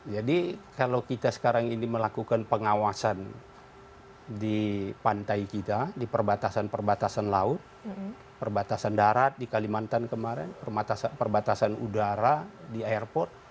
jadi kalau kita sekarang ini melakukan pengawasan di pantai kita di perbatasan perbatasan laut perbatasan darat di kalimantan kemarin perbatasan udara di airport